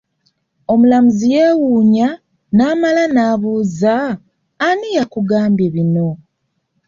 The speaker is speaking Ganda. Omulamuzi ye wuunya n'amala na buuza, ani ya kugambye bino?